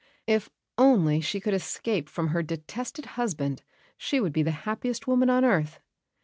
If only she could escape from her detested husband she would be the happiest woman on earth.